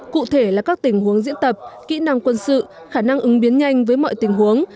cụ thể là các tình huống diễn tập kỹ năng quân sự khả năng ứng biến nhanh với mọi tình huống